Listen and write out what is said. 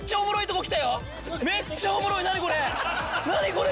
これ。